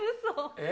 えっ？